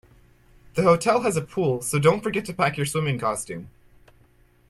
The hotel has a pool, so don't forget to pack your swimming costume